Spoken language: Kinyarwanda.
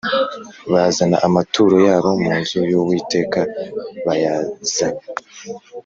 bazana amaturo yabo mu nzu y Uwiteka bayazanye